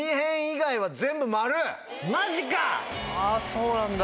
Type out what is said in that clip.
あぁそうなんだ。